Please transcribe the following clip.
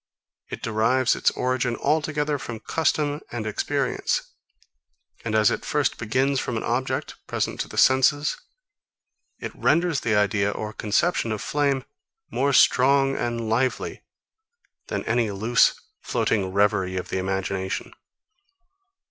It derives its origin altogether from custom and experience. And as it first begins from an object, present to the senses, it renders the idea or conception of flame more strong and lively than any loose, floating reverie of the imagination.